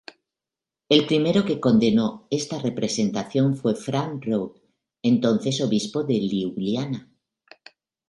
El primero que condenó esta representación fue Franc Rode, entonces obispo de Liubliana.